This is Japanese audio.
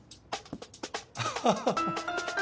アハハハ。